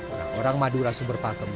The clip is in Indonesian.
orang orang madura sumber pakem